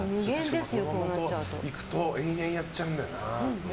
行くと延々やっちゃうんだよな。